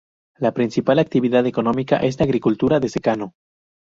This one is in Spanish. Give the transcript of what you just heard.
La principal actividad económica es la agricultura de secano.